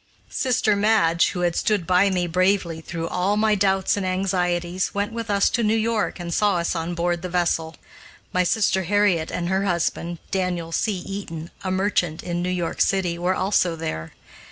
Sister Madge, who had stood by me bravely through all my doubts and anxieties, went with us to New York and saw us on board the vessel. My sister Harriet and her husband, Daniel C. Eaton, a merchant in New York city, were also there.